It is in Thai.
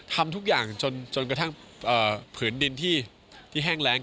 ทำทุกอย่างจนกระทั่งผืนดินที่แห้งแรง